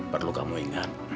perlu kamu ingat